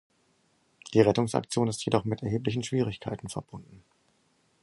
Die Rettungsaktion ist jedoch mit erheblichen Schwierigkeiten verbunden.